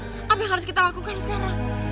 apa yang harus kita lakukan sekarang